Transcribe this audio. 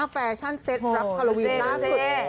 แฟชั่นเซ็ตรับฮาโลวีนล่าสุด